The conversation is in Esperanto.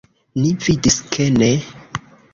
Ni vidis ke ne.